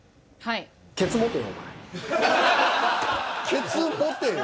「ケツ持てよ」？